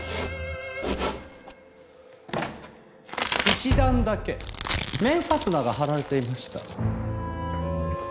一段だけ面ファスナーが貼られていました。